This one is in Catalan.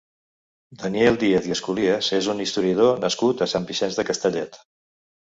Daniel Díaz i Esculies és un historiador nascut a Sant Vicenç de Castellet.